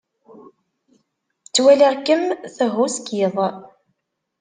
Ttwaliɣ-kem tehhuskid.